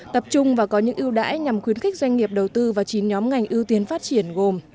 tập trung và có những ưu đãi nhằm khuyến khích doanh nghiệp đầu tư vào chín nhóm ngành ưu tiên phát triển gồm